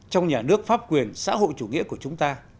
trong nhà nước pháp quyền xã hội chủ nghĩa của chúng ta